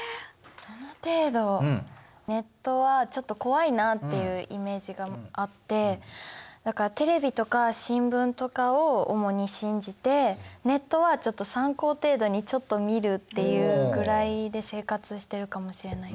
ネットはちょっと怖いなっていうイメージがあってだからテレビとか新聞とかを主に信じてネットはちょっと参考程度にちょっと見るっていうぐらいで生活してるかもしれない。